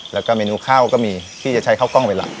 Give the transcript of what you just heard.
แล้วก็เมนูข้าวก็มีพี่จะใช้เข้ากล้องเวลา